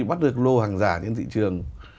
bắt được lô hàng giả trên thị trường